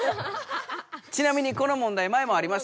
ちなみにこの問題前もありましたよね。